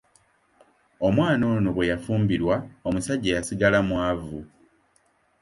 Omwana ono bwe yafumbirwa omusajja yasigala mwavu.